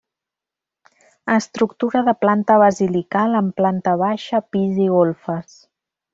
Estructura de planta basilical amb planta baixa, pis i golfes.